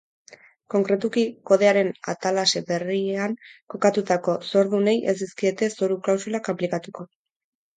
Konkretuki, kodearen atalase berrian kokatutako zordunei ez dizkiete zoru-klausulak aplikatuko.